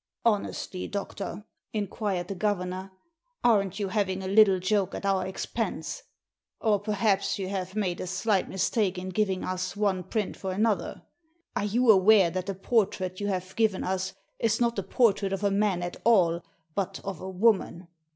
" Honestly, doctor," inquired the governor, aren't Digitized by VjOOQIC THE PHOTOGRAPHS 29 you having a little joke at our expense ? Or perhaps you have made a slight mistake in giving us one print for another. Are you aware that the portrait you have given us is not the portrait of a man at all, but of a woman